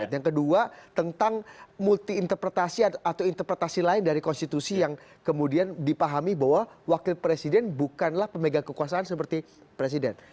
yang kedua tentang multi interpretasi atau interpretasi lain dari konstitusi yang kemudian dipahami bahwa wakil presiden bukanlah pemegang kekuasaan seperti presiden